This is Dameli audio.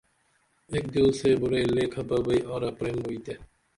ایک دیو سے بُرعی لے کھپہ بئی آرا پریم بوئی تے